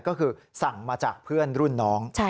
ก็คือสั่งมาจากเพื่อนรุ่นน้อง